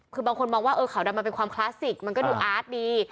คือบางคนมองว่าขาวดำมันเป็นความคลาสสิกมันก็ดูอาร์ตดี